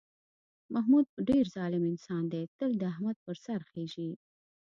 محمود ډېر ظالم انسان دی، تل د احمد په سر خېژي.